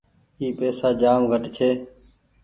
اي پئيسا جآم گھٽ ڇي۔